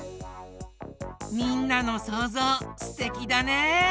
みんなのそうぞうすてきだね。